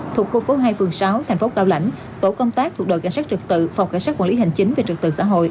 thuộc khu phố hai phường sáu thành phố cao lãnh tổ công tác thuộc đội cảnh sát trực tự phòng cảnh sát quản lý hành chính về trật tự xã hội